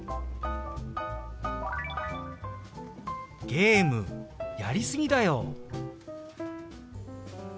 「ゲームやり過ぎだよ！」。